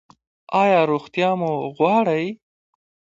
ایا روغتیا مو غواړئ؟